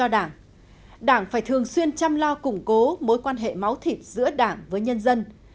đảng phải thường xuyên chăm lo củng cố mối quan hệ máu thịt giữa đảng với nhân dân